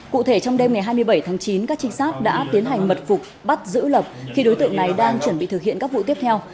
cụ thể trong đêm ngày hai mươi bảy tháng chín các trinh sát đã tiến hành mật phục bắt giữ lập khi đối tượng này đang chuẩn bị thực hiện các vụ tiếp theo